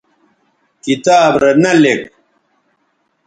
کتاب رے نہ لِک